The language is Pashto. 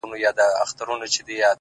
نور په ما مه کوه هوس راپسې وبه ژاړې _